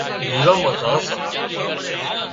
ويوان مان ويسان سان